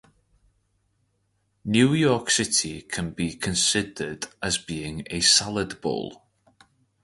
New York City can be considered as being a "salad bowl".